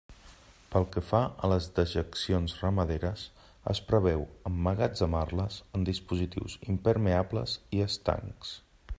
Pel que fa a les dejeccions ramaderes, es preveu emmagatzemar-les en dispositius impermeables i estancs.